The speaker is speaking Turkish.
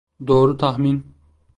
Doğru tahmin.